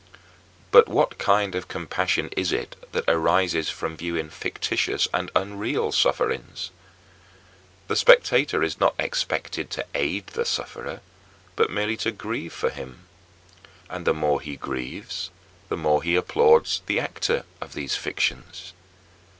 But what kind of compassion is it that arises from viewing fictitious and unreal sufferings? The spectator is not expected to aid the sufferer but merely to grieve for him. And the more he grieves the more he applauds the actor of these fictions.